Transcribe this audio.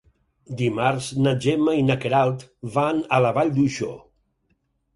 Dimarts na Gemma i na Queralt van a la Vall d'Uixó.